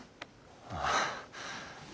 ああ。